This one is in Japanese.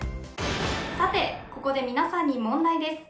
さて、ここで皆さんに問題です。